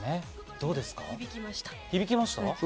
響きました。